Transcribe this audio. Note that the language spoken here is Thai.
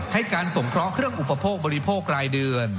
ให้การสงเคราะห์เครื่องอุปโภคบริโภครายเดือน